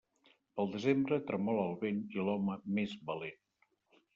Pel desembre, tremola el vent i l'home més valent.